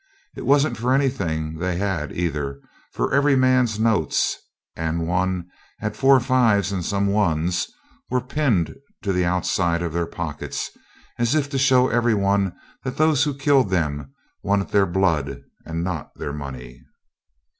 It wasn't for anything they had either, for every man's notes (and one had four fives and some ones) were pinned to them outside of their pockets, as if to show every one that those who killed them wanted their blood and not their money.